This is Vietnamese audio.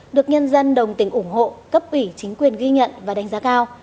được nhân dân đồng tình ủng hộ cấp ủy chính quyền ghi nhận và đánh giá cao